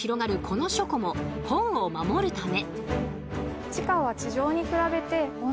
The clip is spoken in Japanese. この書庫も本を守るため。